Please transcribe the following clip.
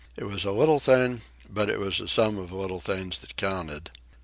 It was a little thing, but it was the sum of little things that counted.